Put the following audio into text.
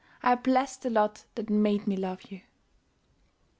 I bless the lot that made me love you.